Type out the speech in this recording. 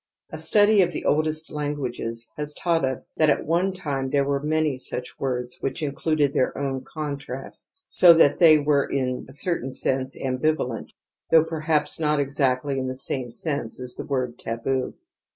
A study of the oldest languages has taught us that at one time there were many such words which included their own contrasts so that they were in a certain sense ambivalent, though perhaps riot exactly in the same sense as the word taboo ^^